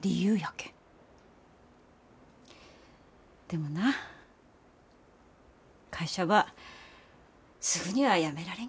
でもな会社ばすぐにはやめられんけん。